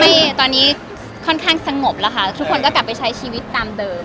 ตอนนี้ค่อนข้างสงบแล้วค่ะทุกคนก็กลับไปใช้ชีวิตตามเดิม